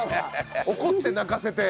怒って泣かせて。